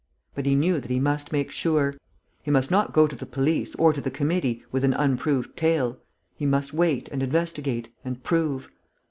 But he knew that he must make sure. He must not go to the police, or to the committee, with an unproved tale. He must wait and investigate and prove.